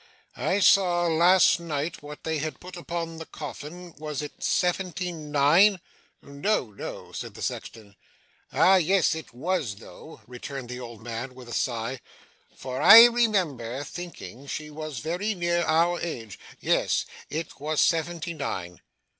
'I saw last night what they had put upon the coffin was it seventy nine?' 'No, no,' said the sexton. 'Ah yes, it was though,' returned the old man with a sigh. 'For I remember thinking she was very near our age. Yes, it was seventy nine.